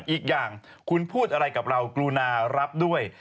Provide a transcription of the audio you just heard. อีกอย่างคุณพูดอะไรกับเรากรุณารับด้วย